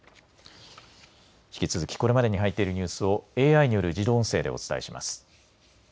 引き続きこれまでに入っているニュースをＡＩによる自動音声でお伝えします。